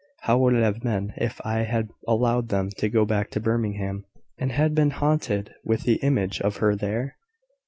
How would it have been, if I had allowed them to go back to Birmingham, and had been haunted with the image of her there?